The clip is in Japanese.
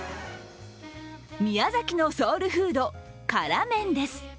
宮崎のソウルフード、辛麺です。